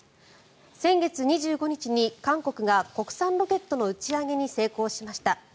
先月２５日に韓国が国産ロケットの打ち上げに成功しました。